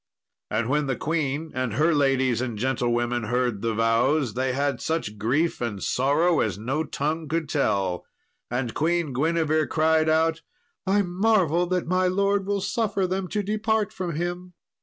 And when the queen and her ladies and gentlewomen heard the vows, they had such grief and sorrow as no tongue could tell; and Queen Guinevere cried out, "I marvel that my lord will suffer them to depart from him."